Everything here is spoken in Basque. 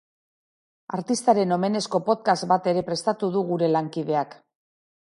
Artistaren omenezko podcast bat ere prestatu du gure lankideak.